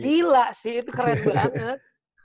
gila sih itu keren banget